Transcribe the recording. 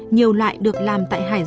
nhiều loại được làm tại hoàng cung